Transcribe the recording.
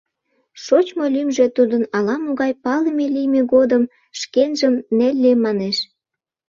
Шочмо лӱмжӧ тудын ала-могай, палыме лийме годым шкенжым Нелли манеш.